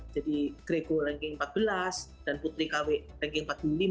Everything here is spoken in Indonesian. jadi grego ranking empat belas dan putri kw ranking empat puluh lima